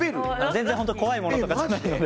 全然本当に怖いものとかじゃないので。